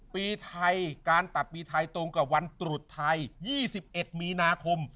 ปีไทยการตัดปีไทยตรงกับวันตรุษไทย๒๑มีนาคม